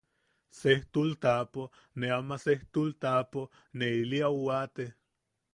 Sestul taʼapo... ne ama sestul taʼapo... ne ili au waate.